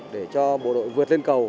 để cho bộ đội vượt lên cầu